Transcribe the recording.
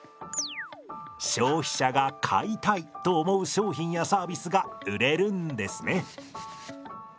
消費者が買いたいと思う商品やサービスが売れるんですね。